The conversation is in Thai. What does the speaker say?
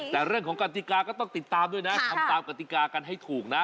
แต่เรื่องของกติกาก็ต้องติดตามด้วยนะทำตามกติกากันให้ถูกนะ